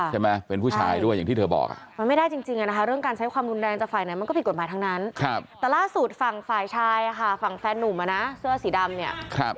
ซื้อสีดำเนี่ย